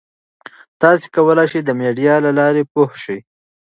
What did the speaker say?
تاسي کولای شئ د میډیا له لارې پوهه شئ.